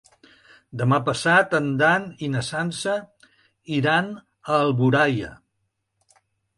Demà passat en Dan i na Sança iran a Alboraia.